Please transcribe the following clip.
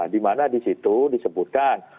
dimana disitu disebutkan